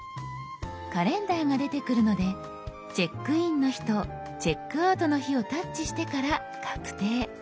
カレンダーが出てくるのでチェックインの日とチェックアウトの日をタッチしてから「確定」。